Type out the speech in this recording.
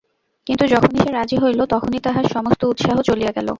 কিন্তু যখনই সে রাজি হইল তখনই তাহার সমস্ত উৎসাহ চলিয়া গেল।